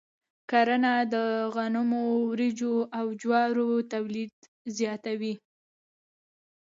کرنه د غنمو، وريجو، او جوارو تولید زیاتوي.